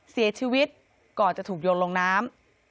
เสียชีวิตก่อนจะถูกโยนลงน้ำ